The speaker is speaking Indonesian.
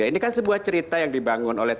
ini kan sebuah cerita yang dibangun oleh